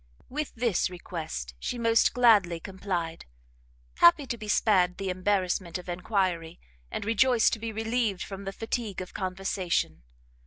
With this request she most gladly complied, happy to be spared the embarrassment of enquiry, and rejoiced to be relieved from the fatigue of conversation.